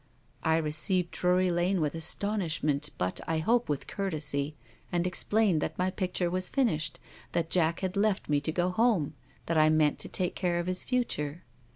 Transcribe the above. ' I received Drury Lane with aston ishment but, I hope, with courtesy, and explained that my picture was finished, that Jack had left me to go home, that I meant to take care of his future.